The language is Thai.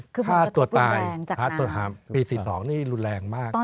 ค่าตัวตายปี๑๙๔๒นี่รุนแรงมาก